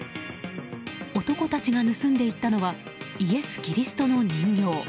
男たちが盗んでいったのはイエス・キリストの人形。